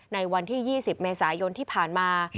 ในวันที่๒๐เมษายนที่ผ่านมา